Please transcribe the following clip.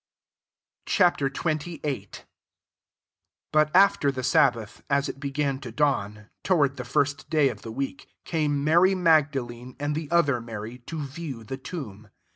Ch. XXVm. IBuT after the sabbath, as it began to dawn, toward the first day of the week, came Mary Magdalene, and the other Mary, to view the tomb.